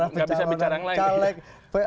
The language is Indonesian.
nggak bisa bicara yang lain